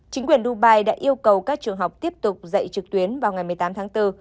chính quyền dubai đã yêu cầu các trường học tiếp tục dạy trực tuyến vào ngày một mươi tám tháng bốn